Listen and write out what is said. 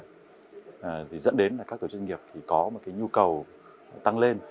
các doanh nghiệp dẫn đến là các tổ chức doanh nghiệp có một nhu cầu tăng lên